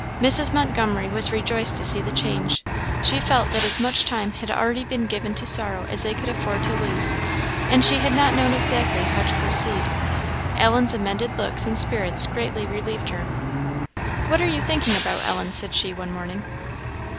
Mrs. Montgomery was rejoiced to see the change; she felt that as much time had already been given to sorrow as they could afford to lose, and she had not known exactly how to proceed. Ellen's amended looks and spirits greatly relieved her. "What are you thinking about, Ellen?" said she, one morning.